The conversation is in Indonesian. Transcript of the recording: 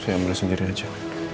saya ambil sendiri aja